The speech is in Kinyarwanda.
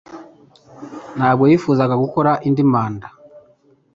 Ntabwo yifuzaga gukora indi manda.